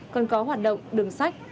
còn có hoạt động đường sách